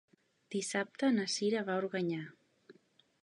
Dissabte na Cira va a Organyà.